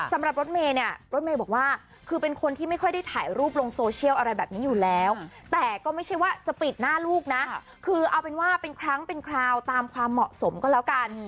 สำหรับรถเมย์เนี่ยรถเมย์บอกว่าคือเป็นคนที่ไม่ค่อยได้ถ่ายรูปลงโซเชียลอะไรแบบนี้อยู่แล้วแต่ก็ไม่ใช่ว่าจะปิดหน้าลูกนะคือเอาเป็นว่าเป็นครั้งเป็นคราวตามความเหมาะสมก็แล้วกัน